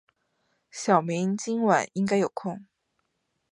小明今晚应该有空。